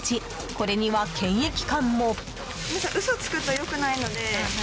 これには検疫官も。